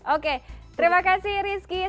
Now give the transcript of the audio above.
oke terima kasih rizky